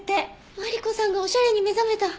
マリコさんがおしゃれに目覚めた。